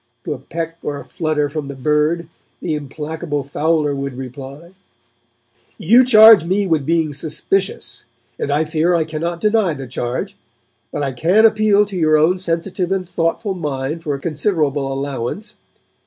To a peck or a flutter from the bird the implacable fowler would reply: 'You charge me with being suspicious, and I fear I cannot deny the charge. But I can appeal to your own sensitive and thoughtful mind for a considerable allowance.